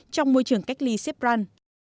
trong môi trường cách ly sepran